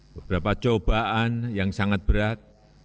beberapa cobaan yang sangat berat